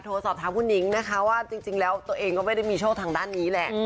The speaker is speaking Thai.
โทรสอบถามคุณนิ้งนะคะว่าจริงแล้วตัวเองก็ไม่ได้มีโชคทางด้านนี้แหละ